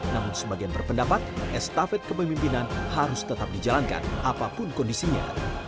namun sebagian berpendapat estafet kepemimpinan harus tetap dijalankan apapun kondisinya